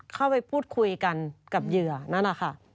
เข้าไปพูดคุยกันกับเหยื่อนั่นแหละค่ะ